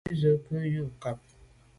Ú sə̂’ nkwé yu nkàb.